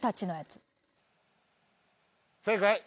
正解。